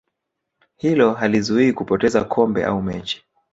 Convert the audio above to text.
hilo halizuii kupoteza kombe au mechi